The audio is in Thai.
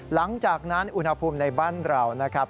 หลังจากนั้นอุณหภูมิในบ้านเรานะครับ